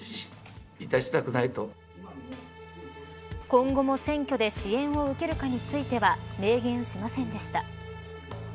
今後も選挙で支援を受けるかについては明言しませんでした。